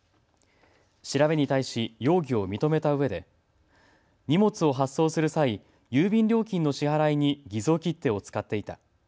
調べに対し容疑を認めたうえで荷物を発送する際、郵便料金の支払いに偽造切手を使っていた。